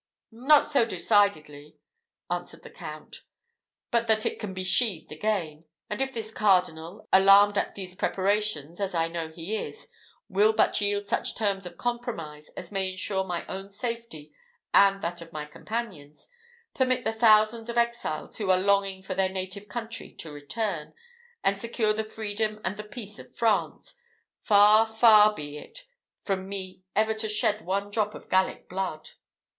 "Not so decidedly," answered the Count, "but that it can be sheathed again; and if this cardinal, alarmed at these preparations, as I know he is, will but yield such terms of compromise as may insure my own safety and that of my companions, permit the thousands of exiles who are longing for their native country to return, and secure the freedom and the peace of France, far, far be it from me ever to shed one drop of Gallic blood."